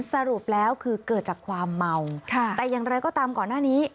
สรุปแล้วคือเกิดจากความเมาแต่อย่างไรก็ตามก่อนหน้านี้